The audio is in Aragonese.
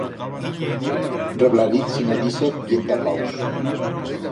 Reblariz sino dísez bien tapaus.